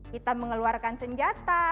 kita mengeluarkan senjata